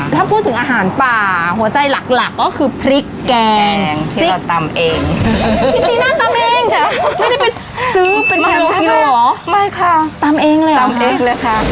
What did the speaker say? ถ้าพูดถึงอาหารป่าหัวใจหลักหลักก็คือพริกแกงพริกตำเองพริกจีน่าตำเองจ้ะไม่ได้ไปซื้อเป็นกิโลกิโลเหรอไม่ค่ะตำเองเลยเหรอตำเองเลยค่ะ